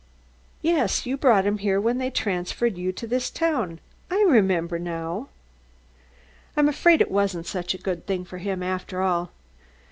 "Yes, you brought him here when they transferred you to this town, I remember now." "I'm afraid it wasn't such a good thing for him, after all.